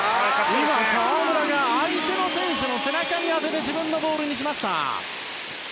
今、河村が相手の選手の背中に当てて自分のボールにしました。